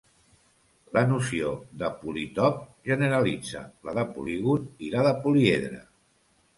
La noció de polítop generalitza la de polígon i la de políedre.